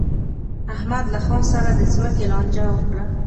احمد له خان سره د ځمکې لانجه وکړه.